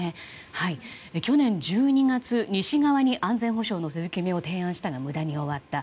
去年１２月西側に安全保障の取り決めを提案したが無駄に終わった。